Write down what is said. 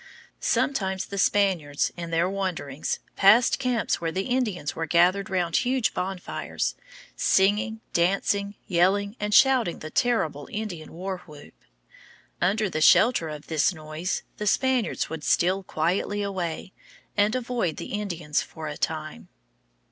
Sometimes the Spaniards, in their wanderings, passed camps where the Indians were gathered round huge bonfires, singing, dancing, yelling, and shouting the terrible Indian war whoop. Under shelter of this noise the Spaniards would steal quietly away and avoid the Indians for a time.